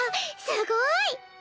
すごい！